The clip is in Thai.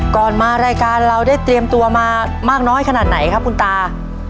มารายการเราได้เตรียมตัวมามากน้อยขนาดไหนครับคุณตา